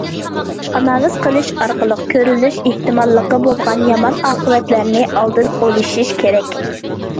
ئانالىز قىلىش ئارقىلىق كۆرۈلۈش ئېھتىماللىقى بولغان يامان ئاقىۋەتلەرنى ئالدىن ئويلىشىش كېرەك.